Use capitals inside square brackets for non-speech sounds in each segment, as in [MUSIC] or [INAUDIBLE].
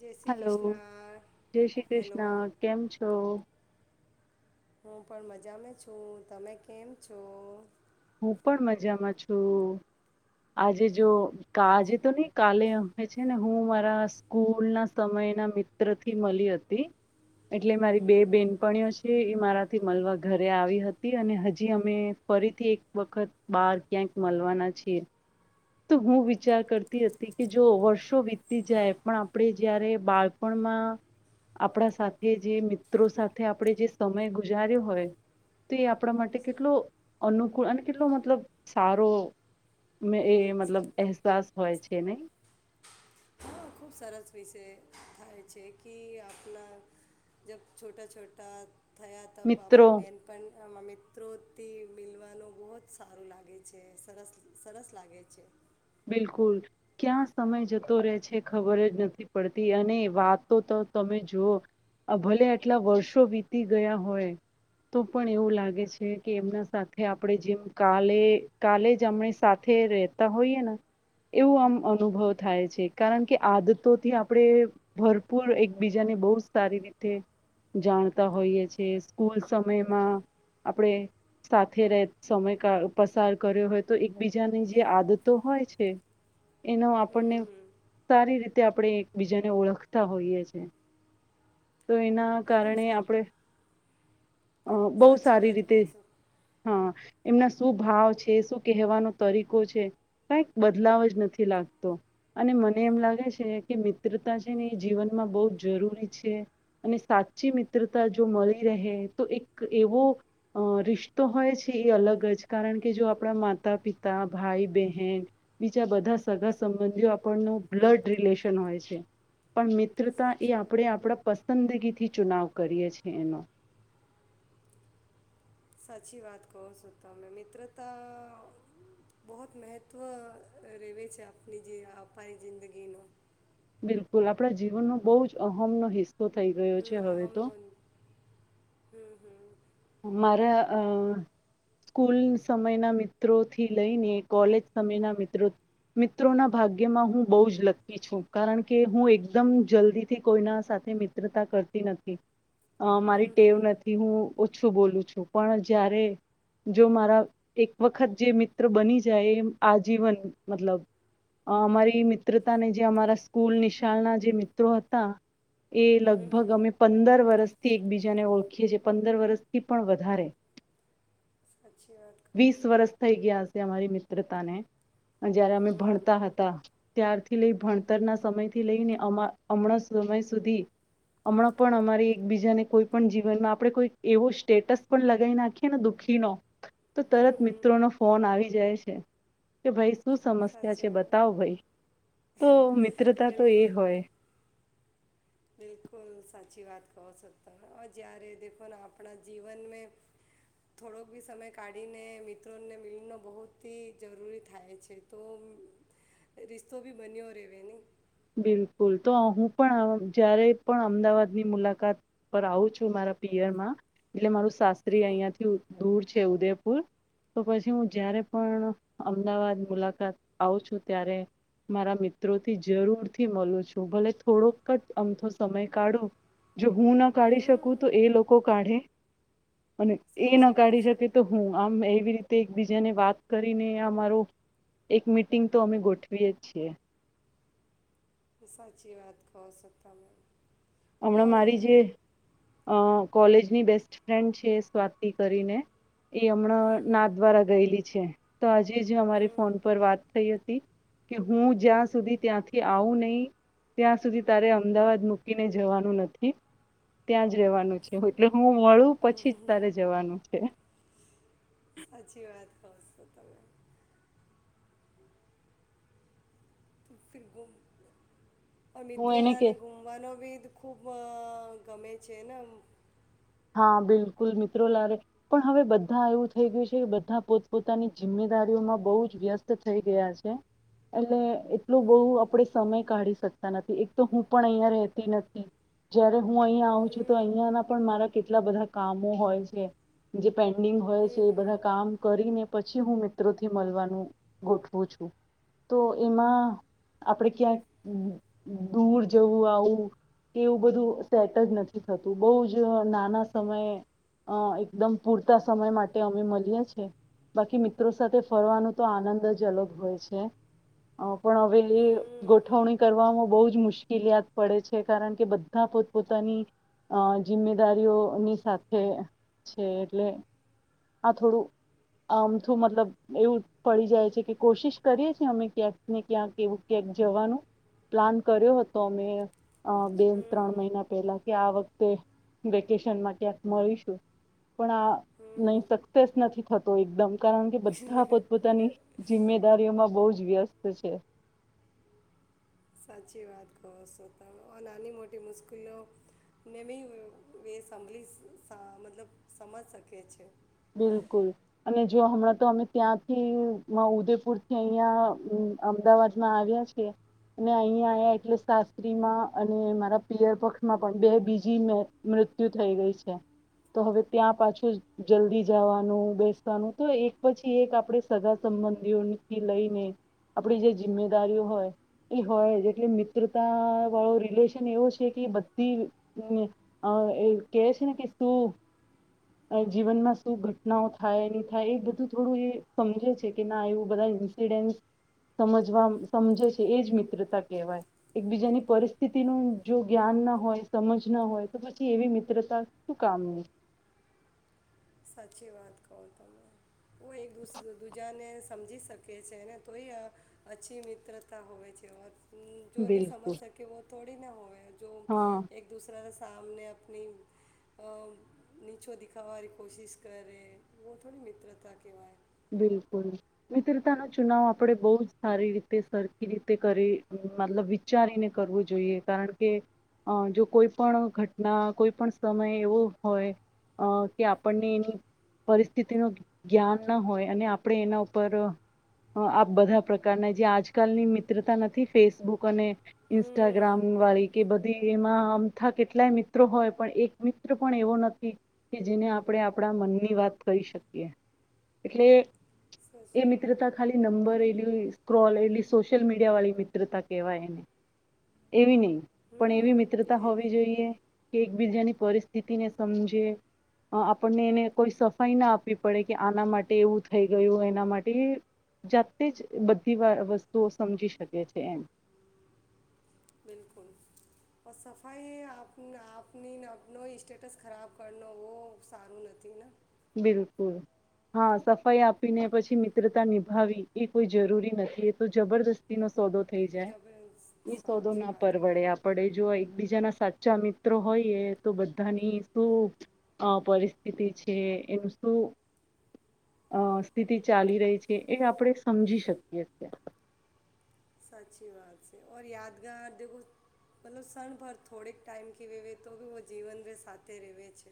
જય શ્રી હલો કૃષ્ણ જય શ્રી હેલો કૃષ્ણ. કેમ છો? હું પણ મજામાં છું. તમે કેમ છો? હું પણ મજામાં છું. આજે જો આજે તો નહી કાલે છે ને હું મારા સ્કૂલના સમયના મિત્રથી મલી હતી. એટલે મારી બે હમ, બેનપણીઓ છે એ મારા થી મલવા ઘરે આવી હતી. અને હજી અમે ફરીથી એક વખત બાર ક્યાંક મલવાના છીએ. તો હું વિચાર કરતી હતી કે જો વર્ષો વીતી જાય પણ આપણે જયારે બાળપણમાં આપણા સાથે જે મિત્રો સાથે આપણે જે સમય ગુજાર્યો હોય, તે આપણા માટે સ- કેટલો અનુકૂળ અને કેટલો મતલબ સારો મેં એ મતલબ સ- અહેસાસ હોય છે નહીં? તો ખૂબ સરસ વિષય થાય છે કે આપલા જબ છોટા-છોટા થયા તબ મિત્રો આપને બેનપન આમાં મિત્રોથી મિલવાનું બહોત સારું લાગે છે. સરસ-સરસ લાગે છે. બિલકુલ. ક્યાં સમય જતો રહે છે ખબર જ નથી પડતી. અને વાતો તો તમે જુઓ, અહ ભલે આટલા વર્ષો વીતી ગયા હોય, તો પણ એવું લાગે છે કે એમના સાથે આપણે જેમ કાલે-કાલે જ અમે સાથે રહેતા હોઈએ ના એવું આમ અનુભવ થાય છે. કારણ કે આદતોથી આપણે ભરપૂર એકબીજાને બહુ સારી રીતે જાણતા હોઈએ છીએ, સ્કૂલ સમયમાં આપણે સાથે રહે સમય કા પસાર કર્યો હોય તો એકબીજાની જે આદતો હોય છ છે એનો આપણને હમ હમ સારી રીત તે આપણે એકબીજાને ઓળખતા હોઈએ છે. તો એના એકદમ કારણે સા આપણે અ બહુ સાચી સારી વાત કહો રીતે છો હા. એમના શું ભાવ છે, શું કહેવાનો તરીકો છે, કાંઈક બદલાવ જ નથી લાગતો. અને મને એમ લાગે છે કે મિત્રતા છે ને એ જીવનમાં બહુ જ જરૂરી છે. અને સાચી મિત્રતા જો મલી રહે તો એક એવો અ રિશ્તો હોય છે એ અલગ જ કારણ કે જો આપણા માતા પિતા, ભાઈ બહેન બીજા બધા સગા સંબંધીઓ આપણનું બ્લડ રિલેશન હોય છે. પન મીત મિત્રતા એ સાચી આપણે આપણા પસ પસંદગીથી ચુનાવ કરીએ છી એનો સાચી વાત કહો સો તમે મિત્રતા બહોત મેહત્વ રેવે છે આપની જે આપાય જિંદગીનો બિલકુલ આપણા જીવનનો બહુ જ અહમનો હિસ્સ સો થઈ ગયો છે હવે તો હમ હમ મારા અ સ્કૂલ સમયના મિત્રોથી લઈને કોલેજ સમયના મિત્રો મિત્રોના ભાગ્યમાં હું બહુ જ લક્કી છું કારણ કે હું એકદમ જલ્દીથી કોઈના સાથે મિત્રતા કરતી નથી. અ મારી ટેવ નથી હું. શું બોલું છું પણ જયારે જો મારા એક વખત જે મિત્ર બની જાય એ આજીવન મતલબ અમારી મિત્રતાને જે અમારા સ્કૂલ નિશાળના જે મિત્રો હતા. એ લગભગ અમે પંદર વરસ થી એકબીજાને ઓળખીએ છીએ પંદ પંદર વર્ષથી પણ વધારે સાચી વાત કહો વીસ વરષ થઇ ગયા. અમારી મિત્રતાને અને જયારે અમે હમ હમ ભણતા હતા ત્યાર તે લઈ ભણતરના સમય થી લઈને અમા અમણાં સમય સુધી અમણાં પણ અમારી એકબીજાને કોઈ પણ જીવનમાં આપડે કોઈ એવો સ્ટેટસ પણ લગાવી નાખીએ ને દુઃખી નો તો હમ તરત હમ મિત્રો નો ફોન આવી જાય છે. કે ભઈ શું સમસ્યા છે સાચી વાત બતાવ ભઈ તો મિત્રતા તો એ બિલકુલ હોય. બિલકુલ સાચી વાત કહો છો ત અહ જ્યારે દેખો ને આપણા જીવન મે થોડોક બી સમય કાઢીને મિત્રોને મિલનો બહુતથી જરૂરી થાય છે તો રિસ્તો ભી બન્યો રેવે ને. બિલકુલ તો હું પણ અહ જયારે પણ અમદાવાદની મુલાકાત પર આવું છું મારા પિયરમાં એટલે મારું સાસરી હમ આઈયાથી દૂર છે ઉદેપુર. તો પછી હું જયારે પણ અમદાવાદ મુલાકાત આવું છું ત્યારે મારા મિત્રોથીજ જરૂરથી મલુ છું ભલે થોડોક જ અમથો સમય કાઢું જો હું ના કાઢી શકું હમ તો એ લોકો કાઢે. અને એ ના સાચી વાત કાઢી છે શકે તો હું આમ એવી રીત તે એકબીજાને વાત કરીને અમારો એક મીટિંગ તો અમે ગોઠવીએ છીએ. એ સાચી વાત કહો સો તમે. અમણાં ઓર મારી જે અહ કોલેજની બેસ્ટ ફ્રેન્ડ છે સ્વાતી કરીને એ હમણાં નાથ દ્વારા ગયેલી છે. તો આજે જ અમારી ફોન પર વાત થઈ હતી. કે હું જ્યાં સુધી ત્યાંથી આવું નહી ત્યાં સુધી તારે અમદાવાદ મુ કીને જવાનું નથી ત્યાં જ રહેવાનું છે. એટલે હું મળું પછી જ તારે જવાનું છે. સાચી વાત કહો સો તમે. [INAUDIBLE] હું મિત્રો એને કે લને ગુમવાનો બી ખૂબ ગમે છે ને હા બિલકુલ મિત્રો લારે પણ હવે બધા એવું થઈ ગયું છે બધા પોતપોતાની જિમ્મેદારીઓમાં બહુ જ વ્યસ્ત થઈ ગયા છે એટલે. એટલો બહુ હમ, આપડે સમય કાઢીશ ક નથી એક તો હું પણ અહિયાં રહેતી નથી જ્યારે હું અહિયાયા આવઉું છું તો હમ, હમ, અહિયાં ના પણ મારા કેટલા બધા કામો હોય છે જે પેન્ડિંગ હોય છે એ હમ, બધા કામ કરીને પછી હું મિત્રોથી મળવાનું ગોઠવું છું તો એમાં આપણે ક્યાંક દૂર જવું આવું કે એવું બધું સેટ જ નથી થતું બહ જ ના સમય એકદમ પૂરતા સમય માટે અમે મળીએ છીએ બાકી મિત્રો સાથે ફરવાનું તો આનંદ જ અલગ હોય છે. પણ હવે એ હમ, ગોઠવણી કરવાવામાં બહ જ મુશ્કેલત પડે છે કારણ કે બધા પોતપોતાની જિમમેદારી ની સાથે છે એટલે આ થોડું આમથું મતલબ એવું પડી જાય છે કે કોશિશ કરીએ છ છે અમે ક્યાંક ને ક્યાંક એવું ક્યાંક જવાનું પ્લાન કર્યો હતો અમે અ બે હમ, ત્રણ હમ, મહિના પહેલા કે આ વખતે તે વેકેશન માં ક્યાંક મળીશું પણ આ હમ, નહી હમ. સક્સેસ નથી થતો એકદમ કારણ કે બધા પોતપોતાની જિમ્મેદારીઓમાં બહ જ વ્યસ્ છે. સાચી વાત કહો શો તમે. નાની-મોટી મુશ્કેલીને મી [UNINTELLIGIBLE] મતલબ સમજ શકે છે. બિલકુલ અને જો હમણાં તો અમે ત્યાંથી ઉદેપુરથી અહિયાં અમદાવાદમાં આવ્યા છીએ. અને અહીયા આવ્યા એટલે શાસ્ત્રીમાં અને મારા પિયર પક્ષમાં પણ બે બીજી મૃત્યુ થઈ ગઈ છે. તો હવે ત્યાં પાછુ જલ્દી જાવાનું, બેસવાનું, તો એક પછી એક આપડે સગા-સંબંધીઓની થી લઈને આપડી જે જિમ્મેદારીઓ હોય એ હોય જ એટલે મિત્રતાવાળો રિલેશન એવો છે કે બધી અ કેહે છે ને કે શું જીવનમાં શું ઘટનાઓ થાય ની થાય એ બધું થોડું એ સમજે છે કે ના એવું બધા ઇન્સિડેન્ટ સમજવા સમજે છે એ જ મિત્રતા કહેવાય. એકબીજાની પરિસ્થિતિનું જો જ્ઞાન ના હોય સમજ ના હોય તો પછી એવી મિત્રતા શું કામની સાચી વાત કો તમે કોઈ એક દૂસ દૂજાને સમજી શકે છે ને તોય અચ્છી મિત્રતા હોય છે. વાત જો ને સમજ બિલકુલ શકે વો તોડી ને હોવે. જો હા એક-દૂસરાને આમને અપની અ નીચું દિખાવાર કોશિશ કરે વો થોડી મિત્રતા કહેવાય બિલકુલ મિત્રતાનો ચુનાવ આપડે બહુ જ સારી રીતે સરખી રીતે કરી મતલબ વિચારીને કરવું જોઈએ. કારણ કે અ જો કોઈ પણ ઘટના કોઈ પણ સમય એવો હોય અ કે આપડને એની પરિસ્થિતિનું જ્ઞાન ના હોય અને આપડે એના ઉપર આ બધા પ્રકારના જે આજકાલની મિત્રતા નથી ફેસબુક અને ઇન્સ્ટાગ્રામ વાળી કે બધી એમાં અમથા કેટલાય મિત્રો હોય પણ એક મિત્ર પણ એવો નથી કે જેને આપડે આપડા મનની વાત કઈ શકીએ એટલે એ મિત્રતા ખાલી નંબર એ સ્ક્રોલ એટલી સોશિયલ મીડિયાવાળી મિત્રતા કેહેવાય એને એવી ની. પણ એવી મિત્રતા હોવી જોઈએ કે એકબીજાની પરિસ્થિતિને સમજે અ આપડને એને કોઈ સફાઈ ના આપવી પડે કે આના માટે એવું થઈ ગયું. એના માટે જાતે જ બધી વા વસ્તુઓ સમજી શકે છે એમ. બિલકુલ. ઓર સફાઈ આપ આપની આપનો સ્ટેટસ ખરાબ કરનો વો સારું નથી ને. બિલકુલ. હન સફાઈ આપીને પછી મિત્રતા નિભાવી, એ કોઈ જરૂરી નથી. એ તો જબરદસ્તી નો સોદો થઈ જાય. જબ એ સોદો સાચી ના વાત કહો પરવડે. આપડે જો એકબીજાના સાચા મિત્રો હોઈએ, તો બધાની શું અ પરિસ્થિતિ કે એનું શું અ સ્થિતિ ચાલી રહી છે, એ આપડે સમજી શકીએ અત્યારે. સાચી વાત છે. ઓર યાદગાર દેખો મતલબ શણ ભર થોડેક ટાઈમ કે વેવે તો ભી વો જીવન રે સાથે રેવે છે.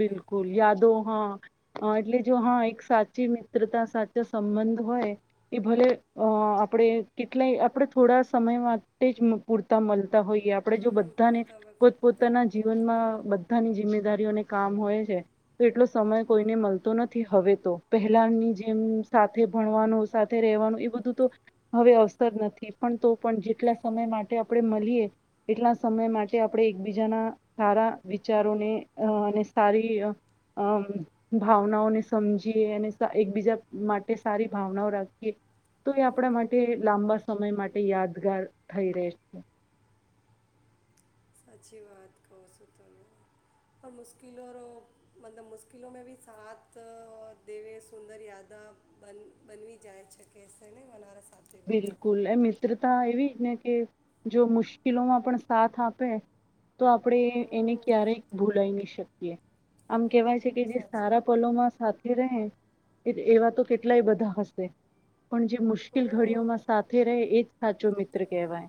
બિલકુલ. યાદો હન અ એટલે જો હન એક સાચી મિત્રતા સાચા સંબંધ હોય. એ ભલે અ આપડે કેટલે આપડે થોડા સમય માટે જ પૂરતા મલતા હોય આપડે જો બધાને પૂરતા વખત પોત-પોતાના જીવનમાં બધાની જિમ્મેદારીઓને કામ હોય છે. તો એટલો સમય કોઈને મલતો નથી હવે તો. પહેલાની જેમ સાથે ભણવાનું, સાથે રહેવાનું એ બધું તો હવે અવસર નથી. પણ તો પણ જેટલા સમય માટે આપડે મલીએ, એટલા સમય માટે આપડે એકબીજાના સારા વિચારોને અ સારી અમ ભાવનાઓને સમજીએ અને એકબીજા માટે સારી ભાવનાઓ રાખીએ. તો એ આપડા માટે લાંબા સમય માટે યાદગાર થઈ રહે છે. સાચી વાત કોશો તમે. ઓર મુશ્કિલોરો મતલબ મુશ્કલો મે ભી સાથ ઓર દેવે સુંદર યાદવ બન બનવી જાય છે કે શે ને બનારસ બિલકુલ! એ મિત્રતા એવી ને કે જો મુશ્કેલોમાં પણ સાથ આપે તો આપડે એને હમ ક્યારેયક ભૂલાય નહી શકીએ. આમ કેવાય છે કે હમ, જે સાચી સારા વાત પલોમાં સાથે રહે એવા તો કેટલાય બધા હશે. પણ જે મુશ કિલ હમ ઘડીઓમાં સાથે રે એ જ સાચો મિત્ર કહેવાય.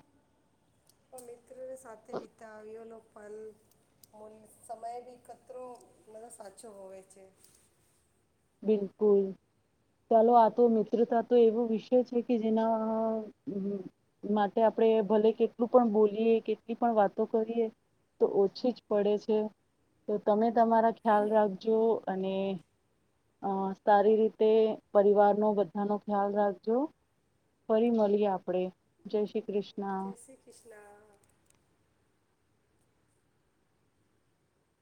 પણ મિત્રોએ સાથે બીતાવેલો પલ મન સમય બી કતરો [UNINTELLIGIBLE] સાચો હોવે છે. બિલકુલ. ચાલો આ તો મિત્રતા તો એવો વિષય છે કે જેના માટે આપડે ભલે કેટલું પણ બોલીએ, કેટલી પણ વાતો કરીએ તો ઓછી જ પડે છે. તો તમે તમારા ખ્યાલ રાખજો. અને. [UNINTELLIGIBLE] જય શ્રી ક્રિષ્ના.